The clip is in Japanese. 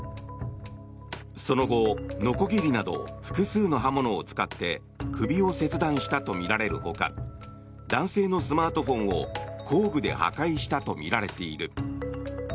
その後、のこぎりなど複数の刃物を使って首を切断したとみられるほか男性のスマートフォンを工具で破壊したとみられている。